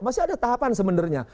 masih ada tahapan sebenarnya